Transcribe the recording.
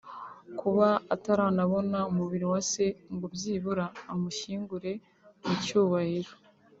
Kuba ataranabona umubiri wa se ngo byibura amushyingure mu cyubahiro